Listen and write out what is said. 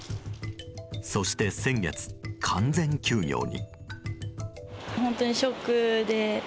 そして先月、完全休業に。